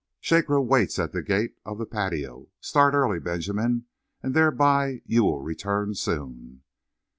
"Shakra waits at the gate of the patio. Start early, Benjamin, and thereby you will return soon."